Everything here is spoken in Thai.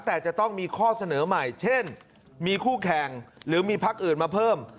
แต่จะต้องมีข้อเสนอใหม่เช่นมีคู่แข่งหรือมีพักอื่นมาเพิ่ม